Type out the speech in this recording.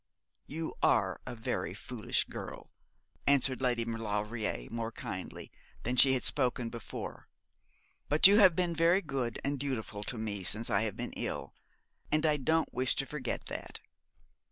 'You are a very foolish girl,' answered Lady Maulevrier, more kindly than she had spoken before, 'but you have been very good and dutiful to me since I have been ill, and I don't wish to forget that.